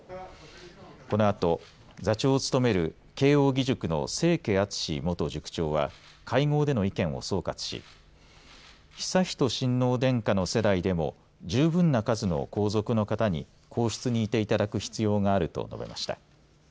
このあと座長を務める慶應義塾の清家篤元塾長は会合での意見を総括し悠仁親王殿下の世代でも十分な数の皇族の方に皇室に行っていただく必要があると述べました。